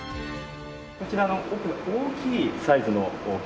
こちらの奥の大きいサイズの券売機。